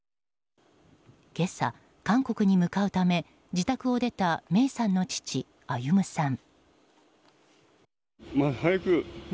今朝、韓国に向かうため自宅を出た芽生さんの父・歩さん。